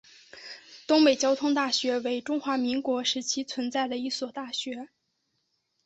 东北交通大学为中华民国时期存在的一所大学。